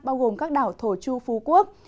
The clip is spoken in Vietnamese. bao gồm các đảo thổ chu phú quốc